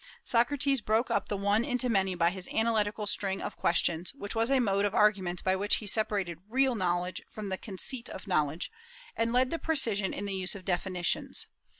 Socrates broke up the one into many by his analytical string of questions, which was a mode of argument by which he separated real knowledge from the conceit of knowledge, and led to precision in the use of definitions.